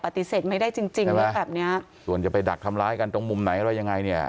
ปฏิเสธไม่ได้จริงจริงว่าแบบเนี้ยส่วนจะไปดักทำร้ายกันตรงมุมไหนอะไรยังไงเนี่ย